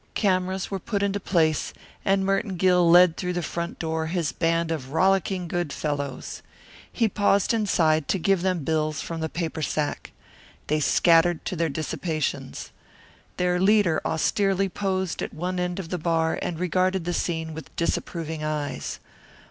Cameras were put into place, and Merton Gill led through the front door his band of rollicking good fellows. He paused inside to give them bills from the paper sack. They scattered to their dissipations. Their leader austerely posed at one end of the bar and regarded the scene with disapproving eyes.